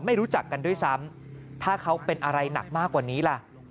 รู้จักกันด้วยซ้ำถ้าเขาเป็นอะไรหนักมากกว่านี้ล่ะ